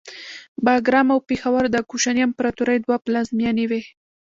باګرام او پیښور د کوشاني امپراتورۍ دوه پلازمینې وې